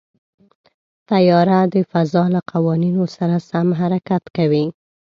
طیاره د فضا له قوانینو سره سم حرکت کوي.